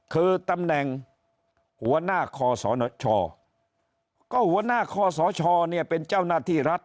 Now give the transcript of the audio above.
คือตำแหน่งหัวหน้าคอสชก็หัวหน้าคอสชเนี่ยเป็นเจ้าหน้าที่รัฐ